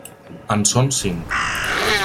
En són cinc.